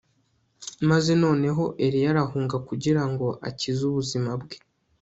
maze noneho Eliya arahunga kugira ngo akize ubuzima bwe